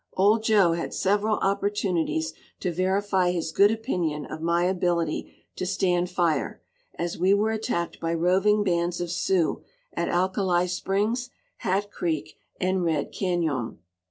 Old Joe had several opportunities to verify his good opinion of my ability to stand fire, as we were attacked by roving bands of Sioux at Alkali Springs, Hat Creek, and Red Cañon.